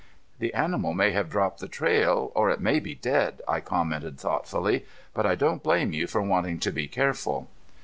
"The animal may have dropped the trail, or it may be dead," I commented thoughtfully, "but I don't blame you for wanting to be careful."